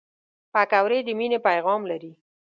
پکورې د مینې پیغام لري